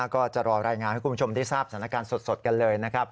ก็จะรอรายงานให้คุณผู้ชมได้ทราบสถานการณ์สดกันเลยนะครับ